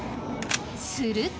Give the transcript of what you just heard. すると。